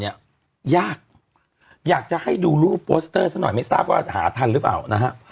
ยากอยากจะให้ดูรูปโปสเตอร์ซะหน่อยไม่ทราบว่าหาทันหรือเปล่านะฮะ